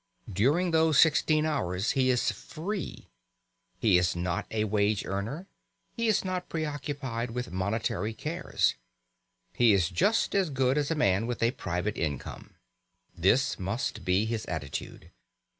During those sixteen hours he is free; he is not a wage earner; he is not preoccupied with monetary cares; he is just as good as a man with a private income. This must be his attitude.